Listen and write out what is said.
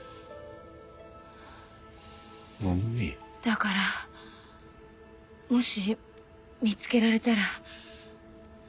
だからもし見つけられたら。